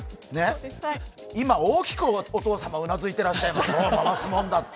今大きくお父様うなずいてらっしゃいます、回すもんだって。